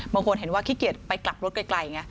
บางคนเห็นว่าขี้เกียจไปกลับรถไกลไง